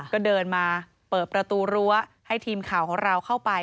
ก็เดินมาเปิดประตูรั้วให้ทีมข่าวของเราเข้าไป